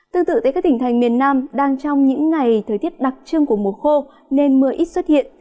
tương tự tại các tỉnh thành miền nam đang trong những ngày thời tiết đặc trưng của mùa khô nên mưa ít xuất hiện